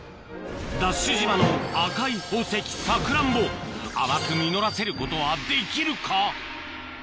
ＤＡＳＨ島の赤い宝石サクランボ甘く実らせることはできるか？